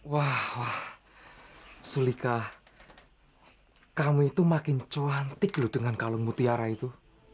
wah sulika hai kamu itu makin cuantik lu dengan kalung mutiara itu